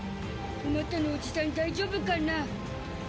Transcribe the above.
おまたのおじさん大丈夫かな？